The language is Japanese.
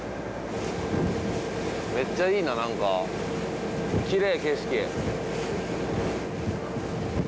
めっちゃいいななんかきれい景色。